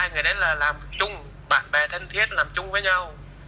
hai người đấy là làm chung bạn bè thân thiết làm chung với nhau